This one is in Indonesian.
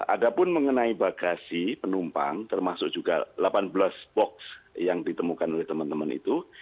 ada pun mengenai bagasi penumpang termasuk juga delapan belas box yang ditemukan oleh teman teman itu